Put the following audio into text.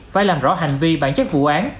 phải làm rõ hành vi bản chất vụ án